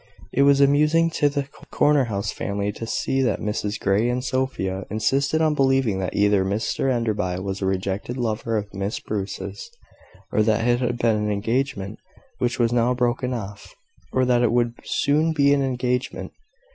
It was amusing to the corner house family to see that Mrs Grey and Sophia insisted on believing that either Mr Enderby was a rejected lover of Miss Bruce's, or that it had been an engagement which was now broken off, or that it would soon be an engagement.